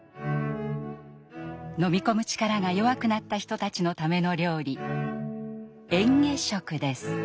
飲み込む力が弱くなった人たちのための料理失礼します。